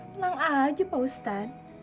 tenang aja pak ustadz